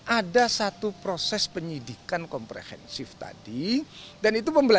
ada satu proses penyidikan komprehensif tadi dan itu pembelajaran